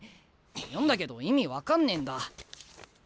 読んだけど意味分かんねえんだ。